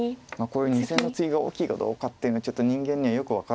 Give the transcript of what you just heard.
こういう２線のツギが大きいかどうかっていうのはちょっと人間にはよく分からないところではあるんです。